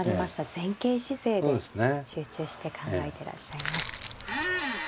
前傾姿勢で集中して考えてらっしゃいます。